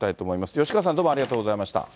吉川さん、どうもありがとうございました。